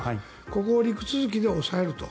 ここを陸続きで押さえると。